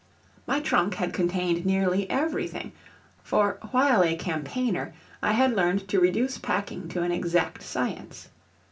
My trunk had contained nearly everything, for while a campaigner I had learned to reduce packing to an exact science.